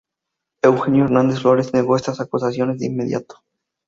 Eugenio Hernández Flores negó estas acusaciones de inmediato.